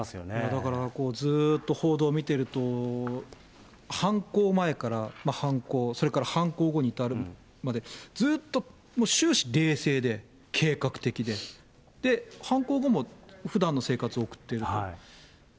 だから、ずっと報道を見ていると、犯行前から犯行、それから犯行後に至るまで、ずっと終始冷静で計画的で、で、犯行後もふだんの生活を送っている。